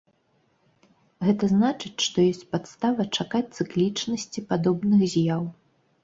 Гэта значыць, што ёсць падстава чакаць цыклічнасці падобных з'яў.